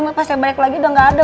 kamu cari cari